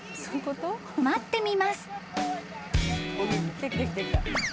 ［待ってみます］